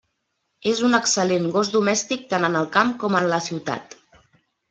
És un excel·lent gos domèstic tant en el camp com en la ciutat.